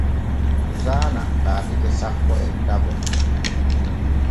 Suusana laatake sappo e ɗiɗaɓo.